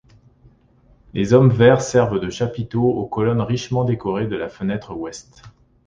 Deux hommes verts servent de chapiteaux aux colonnes richement décorées de la fenêtre ouest.